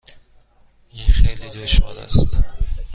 این خیلی دشوار است.